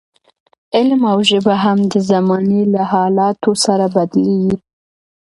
علم او ژبه هم د زمانې له حالاتو سره بدلېږي.